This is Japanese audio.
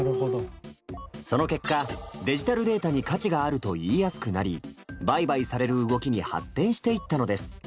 その結果デジタルデータに価値があると言いやすくなり売買される動きに発展していったのです。